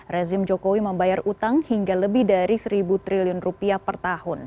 rezim jokowi membayar utang hingga lebih dari rp satu per tahun